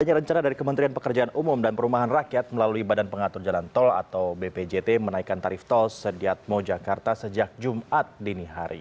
ada rencana dari kementerian pekerjaan umum dan perumahan rakyat melalui badan pengatur jalan tol atau bpjt menaikkan tarif tol sediatmo jakarta sejak jumat dini hari